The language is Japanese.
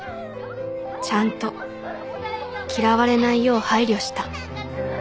ちゃんと嫌われないよう配慮した